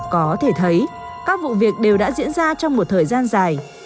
có thể thấy các vụ việc đều đã diễn ra trong một thời gian dài